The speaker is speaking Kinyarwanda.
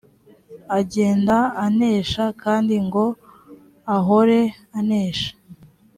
agenda anesha kandi ngo ahore anesha